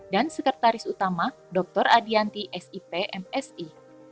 dan sekretaris utama dr adianti sip msi